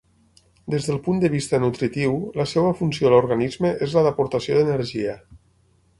Des del punt de vista nutritiu, la seva funció a l'organisme és la d'aportació d'energia.